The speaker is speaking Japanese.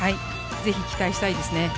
ぜひ期待したいですね。